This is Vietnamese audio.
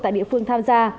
tại địa phương tham gia